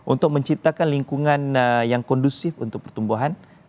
untuk menciptakan lingkungan yang kondusif untuk pertumbuhan